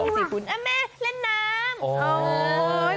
อ้าวแม่เล่นน้ำ